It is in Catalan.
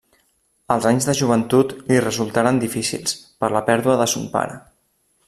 Els anys de joventut li resultaren difícils, per la pèrdua de son pare.